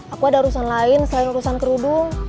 aku ada urusan lain selain urusan kerudung